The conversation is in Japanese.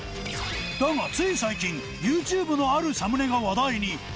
だがつい最近 ＹｏｕＴｕｂｅ のあるサムネが話題に